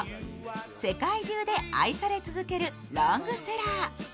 世界中で愛され続けるロングセラー。